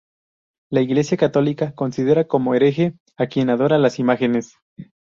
La Iglesia Católica considera como hereje a quien adora las imágenes.